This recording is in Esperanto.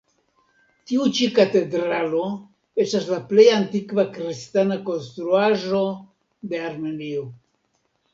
Tiu ĉi katedralo estas la plej antikva kristana konstruaĵo de Armenio.